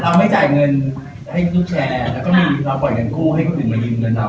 ไม่จ่ายเงินให้กู้แชร์แล้วก็มีเราปล่อยเงินกู้ให้คนอื่นมายืมเงินเรา